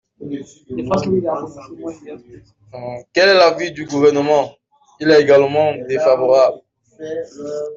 Quel est l’avis du Gouvernement ? Il est également défavorable.